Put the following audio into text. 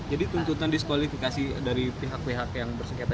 jadi tuntutan diskualifikasi dari pihak pihak yang bersekitaran